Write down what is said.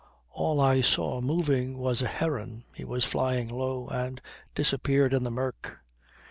All I saw moving was a heron; he was flying low, and disappeared in the murk.